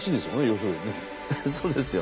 そうですよ。